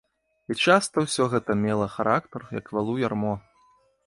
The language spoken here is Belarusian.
І часта ўсё гэта мела характар, як валу ярмо.